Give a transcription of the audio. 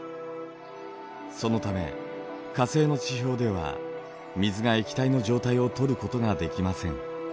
そのため火星の地表では水が液体の状態をとることができません。